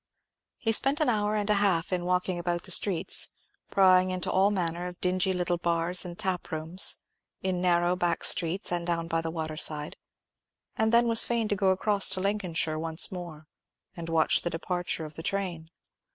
He spent an hour and a half in walking about the streets, prying into all manner of dingy little bars and tap rooms, in narrow back streets and down by the water side; and then was fain to go across to Lincolnshire once more, and watch the departure of the train.